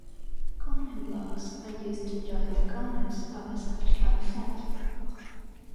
Corner blocks are used to join the corners of a soft-cover flat.